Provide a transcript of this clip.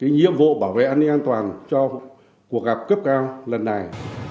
nhiệm vụ bảo vệ an ninh an toàn cho cuộc gặp cấp cao lần này